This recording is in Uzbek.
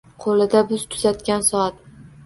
Qo‘lida biz “tuzatgan” soat.